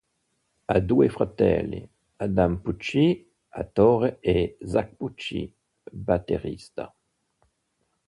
Ha due fratelli, Adam Pucci, attore, e Zak Pucci, batterista.